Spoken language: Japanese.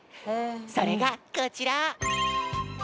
それがこちら！